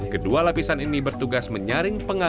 kedua lapisan ini bertugas menyaring pengamanan